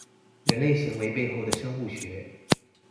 人類行為背後的生物學